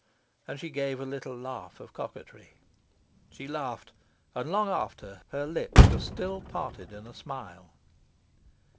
And she gave a little laugh of coquetry. She laughed, and, long after, her lips were still parted in a smile.